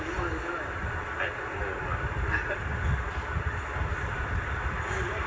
ขึ้นจากนั้น